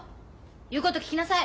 言うこと聞きなさい。